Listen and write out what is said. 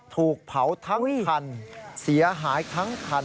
ถูกเผาทั้งคันเสียหายทั้งคัน